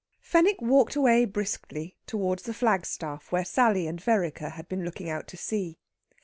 Fenwick walked away briskly towards the flagstaff where Sally and Vereker had been looking out to sea.